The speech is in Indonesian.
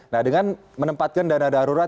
nah dengan menempatkan dana darurat